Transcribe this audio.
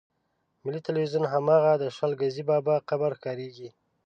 ملي ټلویزیون هماغه د شل ګزي بابا قبر ښکارېږي.